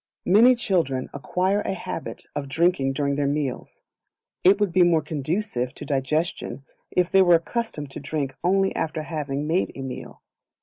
Many Children acquire a Habit of Drinking during their meals; it would be more conducive to digestion if they were accustomed to drink only after having made a meal.